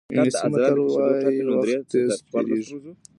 انګلیسي متل وایي وخت تېز تېرېږي.